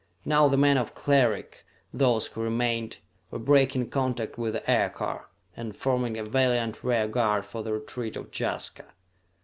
Now the men of Cleric, those who remained, were breaking contact with the aircar, and forming a valiant rear guard for the retreat of Jaska.